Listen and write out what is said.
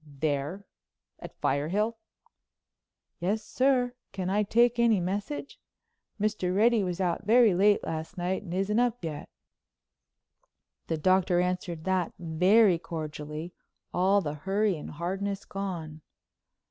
"There, at Firehill?" "Yes, sir. Can I take any message? Mr. Reddy was out very late last night and isn't up yet." The Doctor answered that very cordially, all the hurry and hardness gone.